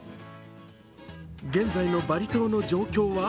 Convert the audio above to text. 現在のバリ島の状況は？